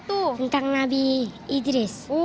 tentang nabi idris